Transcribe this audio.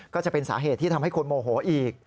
ก็จะเป็นสาเหตุที่ทำให้คนโมโหอีก